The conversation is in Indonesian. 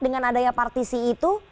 dengan adanya partisi itu